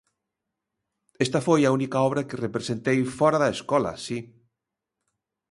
Esta foi a única obra que representei fóra da Escola, si.